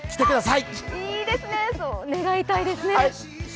いいですね、そう願いたいですね。